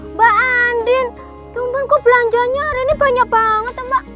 mbak andin teman teman kok belanjanya hari ini banyak banget mbak